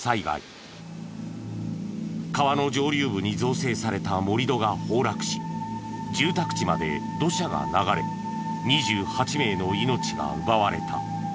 川の上流部に造成された盛り土が崩落し住宅地まで土砂が流れ２８名の命が奪われた。